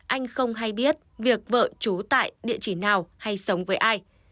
anh không hay biết việc vợ chú tại địa chỉ nào hay sống với ai